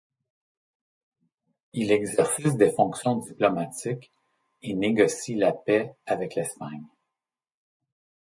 Il exerce des fonctions diplomatiques et négocie la paix avec l'Espagne.